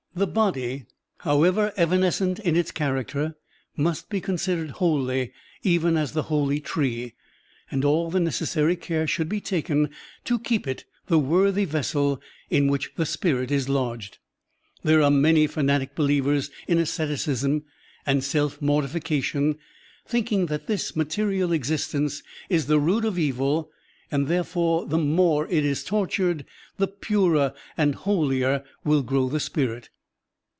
The body, however evanescent in its character, must be considered holy even as the holy tree, and all the necessary care should be taken to keep it the worthy vessel in which the spirit is lodged. There are many fanatic believers in asceticism and self mortifica tion, thinking that this material existence is the root of evil and therefore the more is it tortured Digitized by Google THE MIDDLE WAY 9$ the ptirer and holier will grow the spirit.